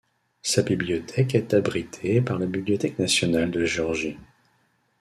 Sa bibliothèque est abritée par la Bibliothèque nationale de Géorgie.